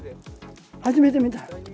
初めて見た。